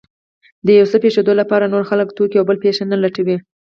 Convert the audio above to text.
د يو څه پېښېدو لپاره نور خلک، توکي او بله پېښه نه لټوي.